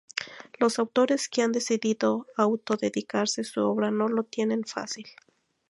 Los autores que han decidido autoeditarse su obra no lo tienen fácil